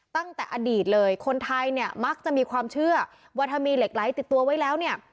ตั้งแต่อดีตเลยคนไทยเนี่ยมักจะมีความเชื่อว่าถ้ามีเหล็กไหลติดตัวไว้แล้วเนี่ย